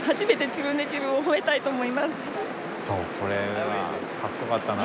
そうこれはかっこよかったなあ。